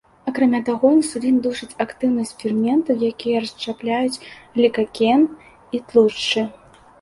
Акрамя таго, інсулін душыць актыўнасць ферментаў, якія расшчапляюць глікаген і тлушчы.